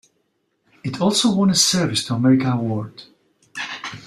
It also won a Service to America Award.